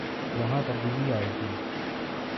یہاں تبدیلی آئے گی۔